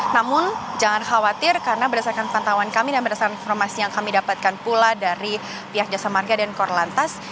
namun jangan khawatir karena berdasarkan pantauan kami dan berdasarkan informasi yang kami dapatkan pula dari pihak jasa marga dan korlantas